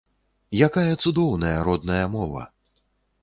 Якая цудоўная родная мова!